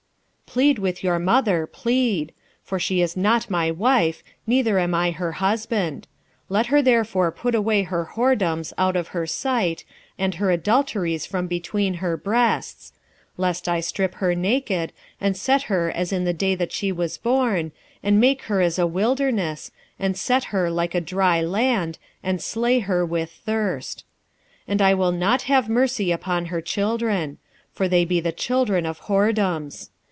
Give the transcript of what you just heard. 2:2 Plead with your mother, plead: for she is not my wife, neither am I her husband: let her therefore put away her whoredoms out of her sight, and her adulteries from between her breasts; 2:3 Lest I strip her naked, and set her as in the day that she was born, and make her as a wilderness, and set her like a dry land, and slay her with thirst. 2:4 And I will not have mercy upon her children; for they be the children of whoredoms.